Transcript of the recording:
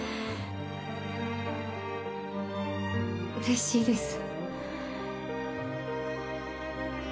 うれしいです。